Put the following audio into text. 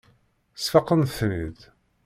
Sfaqent-ten-id.